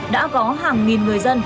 đã có hàng nghìn người dân